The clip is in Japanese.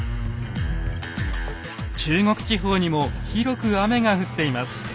中国地方にも広く雨が降っています。